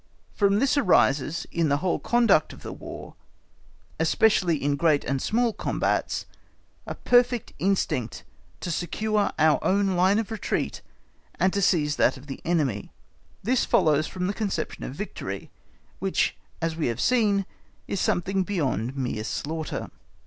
From this arises, in the whole conduct of the War, especially in great and small combats, a perfect instinct to secure our own line of retreat and to seize that of the enemy; this follows from the conception of victory, which, as we have seen, is something beyond mere slaughter.